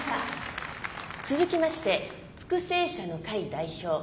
続きまして復生者の会代表